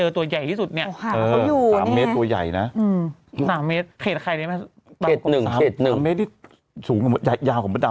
ตัวเบลอเท่าสามเมตร